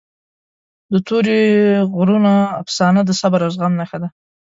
د تورې غرونو افسانه د صبر او زغم نښه ده.